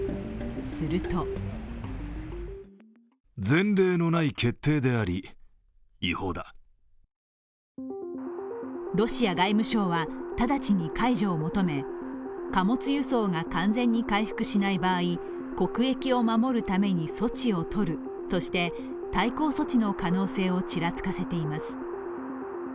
すると、ロシア外務省は直ちに解除を求め、貨物輸送が完全に回復しない場合、国益を守るために措置を取る、そして対抗措置の可能性をちらつかせています。